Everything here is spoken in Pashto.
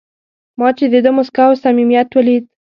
ما چې د ده موسکا او صمیمیت ولید.